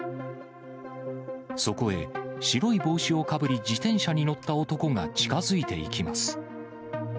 そこへ、白い帽子をかぶり自転車に乗った男が近づいていきます。